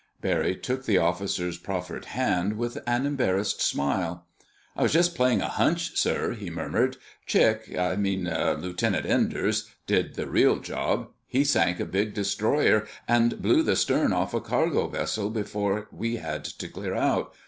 Barry took the officer's proffered hand, with an embarrassed smile. "I was just playing a hunch, sir," he murmured. "Chick—I mean, Lieutenant Enders—did the real job. He sank a big destroyer and blew the stern off a cargo vessel before we had to clear out.